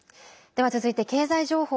では続いて経済情報。